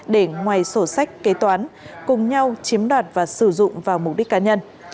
để ngoài sổ sách kế toán cùng nhau chiếm đoạt và sử dụng vào mục đích cá nhân